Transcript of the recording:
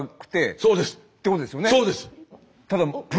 そうです！